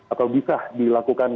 atau bisa dilakukan